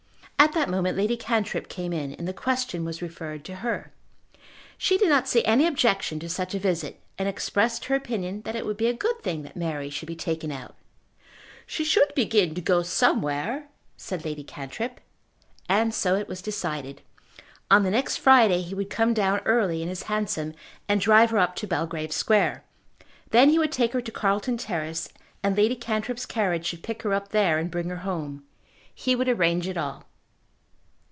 At that moment Lady Cantrip came in, and the question was referred to her. She did not see any objection to such a visit, and expressed her opinion that it would be a good thing that Mary should be taken out. "She should begin to go somewhere," said Lady Cantrip. And so it was decided. On the next Friday he would come down early in his hansom and drive her up to Belgrave Square. Then he would take her to Carlton Terrace, and Lady Cantrip's carriage should pick her up there and bring her home. He would arrange it all.